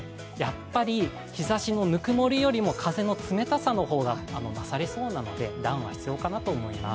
日ざしのぬくもりより風の冷たさの方が勝りそうなのでダウンは必要かなと思います。